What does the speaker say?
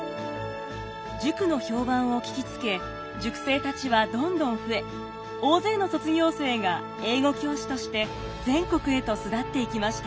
塾の評判を聞きつけ塾生たちはどんどん増え大勢の卒業生が英語教師として全国へと巣立っていきました。